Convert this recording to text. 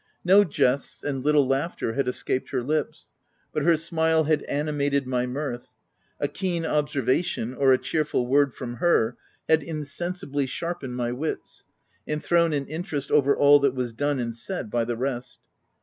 No jests, and little laughter had escaped her lips; but her smile had animated my mirth, a keen observation or a cheerful word from her had insensibly sharpened my wits, and thrown an interest over all that was done and said by the rest.